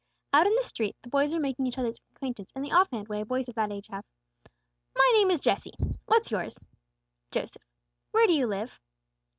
Out in the street the boys were making each other's acquaintance in the off hand way boys of that age have. "My name is Jesse. What's yours?" "Joseph." "Where do you live?"